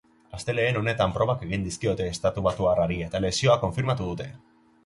Astelehen honetan probak egin dizkiote estatubatuarrari eta lesioa konfirmatu dute.